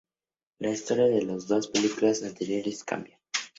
La historia de las dos películas anteriores cambia.